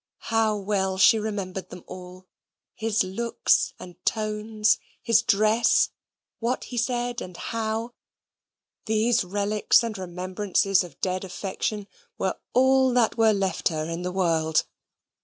How well she remembered them all! His looks and tones, his dress, what he said and how these relics and remembrances of dead affection were all that were left her in the world.